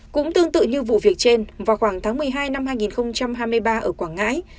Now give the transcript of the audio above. cũng tương tự như vụ việc trên vào khoảng tháng một mươi hai năm hai nghìn hai mươi ba ở quảng ngãi